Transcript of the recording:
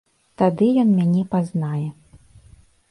Тады ён мяне пазнае.